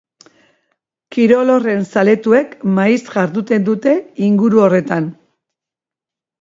Kirol horren zaletuek maiz jarduten dute inguru horretan.